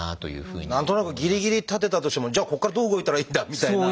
何となくぎりぎり立てたとしてもじゃあここからどう動いたらいいんだみたいな。